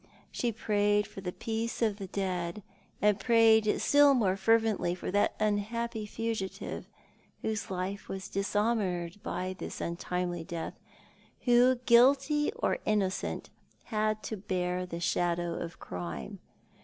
She prayed for the peace of the dead, and prayed still more fervently for that unhappy fugitive whose life was dishonoured by this untimely death, who, guilty or innocent, had to bear the shadow of crime.